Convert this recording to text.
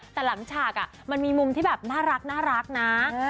แต่หลังฉากมันมีมุมที่แบบน่ารักนะ